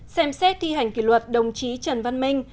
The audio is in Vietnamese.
xem xét thi hành kỷ luật đồng chí trần văn minh